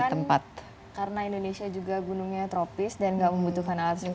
kebanyakan karena indonesia juga gunungnya tropis dan enggak membutuhkan alat seperti itu